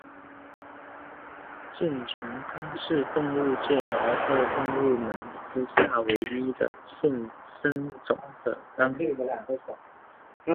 箭虫纲是动物界毛颚动物门之下唯一有现生种的纲。